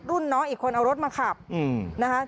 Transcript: รุ่นน้องอีกคนเอารถมาขับนะคะ